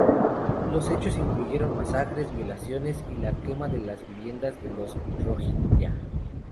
Los hechos incluyeron masacres, violaciones y la quema de las viviendas de los rohinyá.